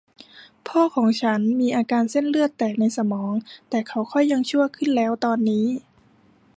พ่อของฉันมีอาการเส้นเลือดแตกในสมอง แต่เขาค่อยยังชั่วขึ้นแล้วตอนนี้